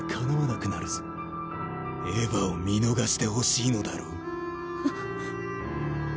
エヴァを見逃してほしいのだろう？あっ。